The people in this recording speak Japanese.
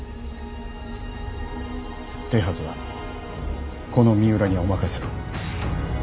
手はずはこの三浦にお任せを。